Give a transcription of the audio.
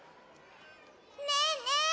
ねえねえ